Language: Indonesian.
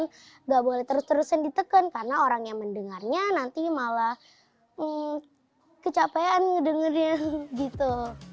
nggak boleh terus terusan diteken karena orang yang mendengarnya nanti malah kecapean dengerin gitu